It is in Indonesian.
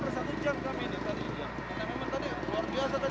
pasarnya berpenguruh malap tadi